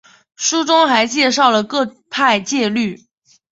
书中还介绍了各派戒律。